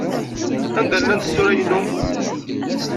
Anda llant tsura-inu?